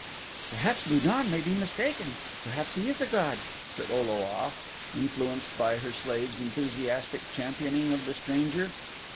"Perhaps Lu don may be mistaken perhaps he is a god," said O lo a, influenced by her slave's enthusiastic championing of the stranger.